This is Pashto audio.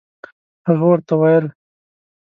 هغه ورته ویل.